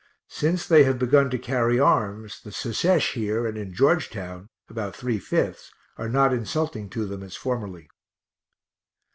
Since they have begun to carry arms, the Secesh here and in Georgetown (about three fifths) are not insulting to them as formerly.